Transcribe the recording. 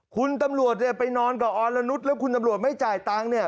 คุณตำรวจเนี่ยไปนอนกับอรนุษย์แล้วคุณตำรวจไม่จ่ายตังค์เนี่ย